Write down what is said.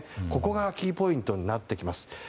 ここがキーポイントになってきます。